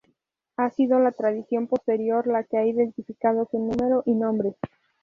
Ha sido la tradición posterior la que ha identificado su número y nombres.